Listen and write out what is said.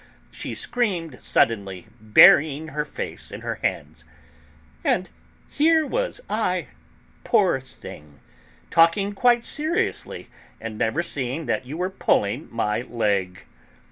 she screamed, suddenly, burying her face in her hands. "And here was I, poor thing, talking quite seriously, and never seeing that you were pulling my leg."